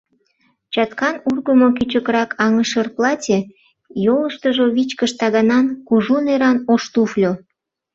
Чаткан ургымо кӱчыкрак аҥышыр платье, йолыштыжо вичкыж таганан, кужу неран ош туфльо.